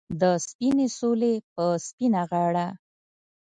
د سپینې سولې په سپینه غاړه